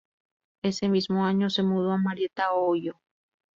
Ese mismo año se mudó a Marietta, Ohio.